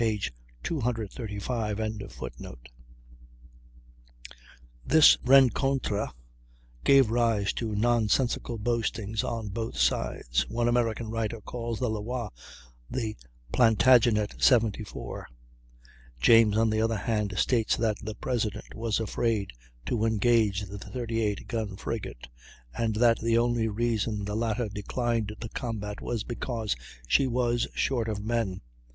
235.] This rencontre gave rise to nonsensical boastings on both sides; one American writer calls the Loire the Plantagenet, 74; James, on the other hand, states that the President was afraid to engage the 38 gun frigate, and that the only reason the latter declined the combat was because she was short of men.